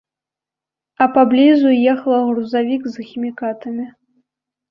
А паблізу ехала грузавік з хімікатамі.